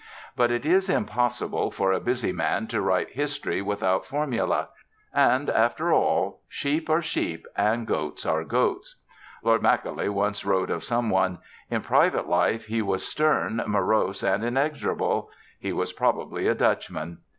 But it is impossible for a busy man to write history without formulæ, and after all sheep are sheep and goats are goats. Lord Macaulay once wrote of some one, "In private life he was stern, morose, and inexorable"; he was probably a Dutchman.